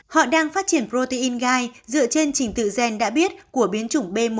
họ đang phát triển protein gai dựa trên trình tự gen đã biết của biến chủng b một một năm trăm hai mươi chín